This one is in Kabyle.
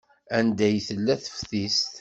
Anda ay tella teftist?